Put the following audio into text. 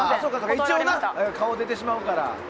一応、顔出てしまうから。